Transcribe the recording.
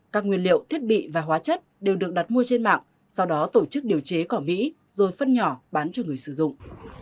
các nguyên liệu thiết bị và hóa chất đều được đặt mua trên mạng sau đó tổ chức điều chế cỏ mỹ rồi phân nhỏ bán cho người sử dụng